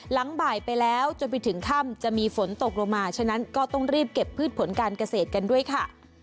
หลังบ่ายไปแล้วจนไปถึงค่ำจะมีฝนตกลงมาฉะนั้นก็ต้องรีบเก็บพืชผลการเกษตรกันด้วยค่ะ